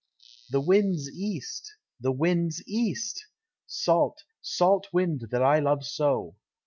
The Wind's east, The Wind's east! Salt, salt Wind that I love so.